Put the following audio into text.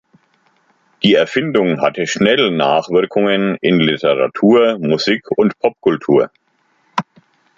Die Erfindung hatte schnell Nachwirkungen in Literatur, Musik und Popkultur.